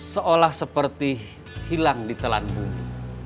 seolah seperti hilang di telan bumi